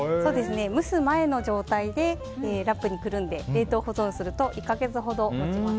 蒸す前の状態でラップにくるんで冷凍保存すると１か月ほど持ちます。